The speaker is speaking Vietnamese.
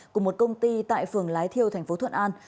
của một công ty tại phường lái thiêu tp thuận an